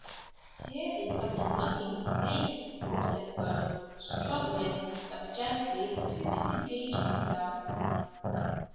'Here is some unlucky mistake,' thought Edward, struggling, but gently, to disengage himself.